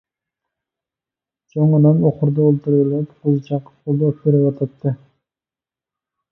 چوڭ ئانام ئوقۇردا ئولتۇرۇۋېلىپ قوزىچاققا قولىدا ئوت بېرىۋاتاتتى.